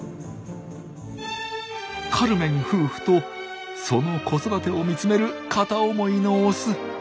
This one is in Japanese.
カルメン夫婦とその子育てを見つめる片思いのオス。